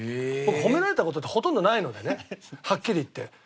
僕褒められた事ってほとんどないのでねはっきり言って。